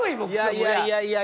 「いやいやいや」